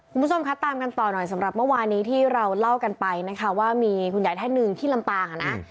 คุณผู้ชมคะตามกันต่อหน่อยสำหรับเมื่อวานี้ที่เราเล่ากันไปนะคะว่ามีคุณยายท่านหนึ่งที่ลำปางอ่ะนะ